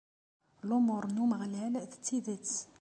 Lumuṛ n Umeɣlal d tidet.